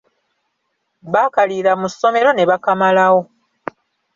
Baakaliira mu ssomero ne bakamalawo.